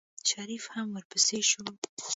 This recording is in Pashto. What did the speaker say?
شريف هم ورپسې شو.